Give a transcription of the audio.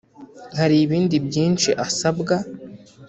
hari ibindi byinshi asabwa